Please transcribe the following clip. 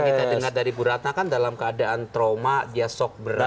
kalau kita dengar dari bu ratna kan dalam keadaan trauma dia sok berat